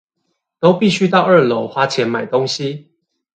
都必須到二樓花錢買東西